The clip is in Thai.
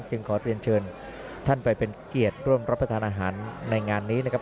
ขอเรียนเชิญท่านไปเป็นเกียรติร่วมรับประทานอาหารในงานนี้นะครับ